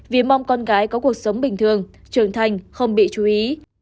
vì mong con gái có cuộc sống bình thường trưởng thành không bị chú ý